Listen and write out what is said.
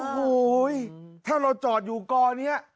โอ้โหถ้าเราจอดอยู่กอนี้